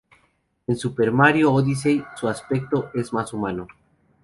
En Super Mario Odyssey su aspecto es más humano.